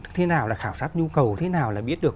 thế nào là khảo sát nhu cầu thế nào là biết được